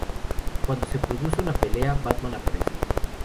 Cuando se produce una pelea, Batman aparece.